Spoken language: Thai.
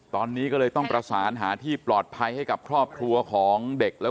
คุณกัลจอมพลังบอกจะมาให้ลบคลิปได้อย่างไร